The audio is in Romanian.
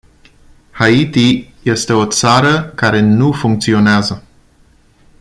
Haiti este o țară care nu funcționează.